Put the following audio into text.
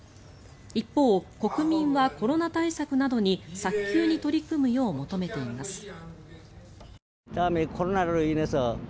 一方、国民はコロナ対策などに早急に取り組むよう求めています。